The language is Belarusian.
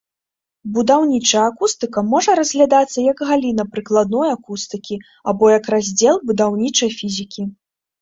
Будаўнічая акустыка можа разглядацца як галіна прыкладной акустыкі, або як раздзел будаўнічай фізікі.